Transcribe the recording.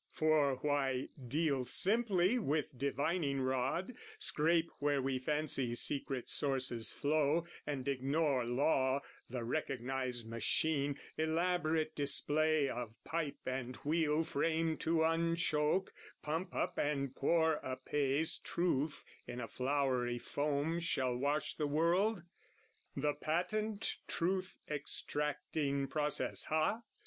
For why deal simply with divining rod, Scrape where we fancy secret sources flow, And ignore law, the recognised machine, Elaborate display of pipe and wheel Framed to unchoak, pump up and pour apace Truth in a flowery foam shall wash the world? The patent truth extracting process, ha?